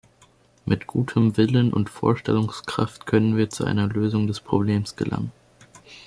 Mit gutem Willen und Vorstellungskraft können wir zu einer Lösung des Problems gelangen.